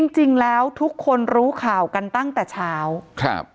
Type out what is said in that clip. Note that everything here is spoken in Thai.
จริงแล้วทุกคนรู้ข่าวกันตั้งแต่เช้าครับ